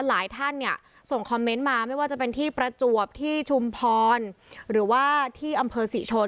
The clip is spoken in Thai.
หลายท่านเนี่ยส่งคอมเมนต์มาไม่ว่าจะเป็นที่ประจวบที่ชุมพรหรือว่าที่อำเภอศรีชน